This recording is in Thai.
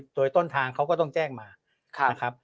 โดยต้นทางเขาก็ต้องแจ้งมา